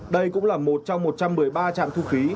đây cũng là một trong một trăm một mươi ba trạm thu phí